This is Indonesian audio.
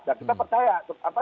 dan kita percaya